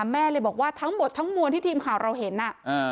แม่เลยบอกว่าทั้งบททั้งมวลที่ที่ดีครับเขาเห็นน่ะ